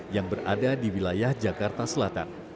yang berada di wilayah jakarta selatan